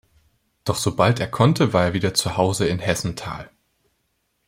Doch sobald er konnte, war er wieder zuhause in Hessenthal.